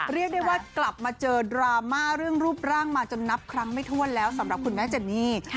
เรียกได้ว่ากลับมาเจอดราม่าเรื่องรูปร่างมาจนนับครั้งไม่ถ้วนแล้วสำหรับคุณแม่เจนี่